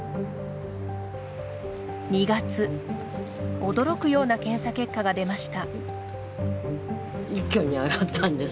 ２月、驚くような検査結果がでました。